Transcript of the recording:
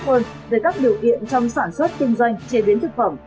với các điều kiện trong sản xuất kinh doanh chế biến thực phẩm